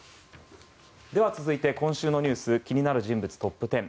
では、続いて今週のニュース気になる人物トップ１０。